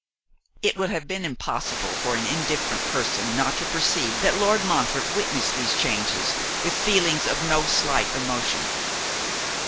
It would have been impossible for an indifferent person not to perceive that Lord Montfort witnessed these changes with feelings of no slight emotion.